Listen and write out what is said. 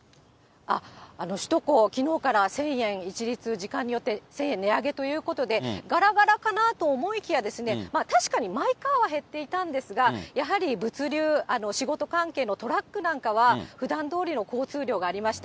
首都高はきのうから１０００円一律時間によって１０００円値上げということで、がらがらかなと思いきや、確かにマイカーは減っていたんですが、やはり物流、仕事関係のトラックなんかはふだんどおりの交通量がありました。